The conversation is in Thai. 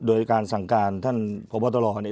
โดยการสั่งการท่านพบตรเนี่ย